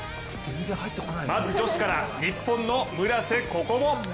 まず女子から、日本の村瀬心椛。